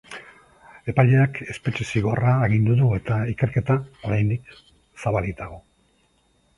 Epaileak espetxe zigorra agindu du eta ikerketa, oraindik, zabalik dago.